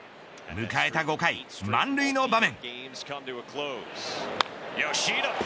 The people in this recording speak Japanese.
迎えた５回、満塁の場面。